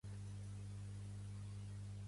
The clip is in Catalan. La forma de vestir del personatge indica riquesa.